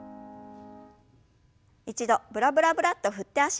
一度ブラブラブラッと振って脚をほぐしましょう。